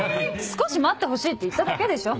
少し待ってほしいって言っただけでしょ。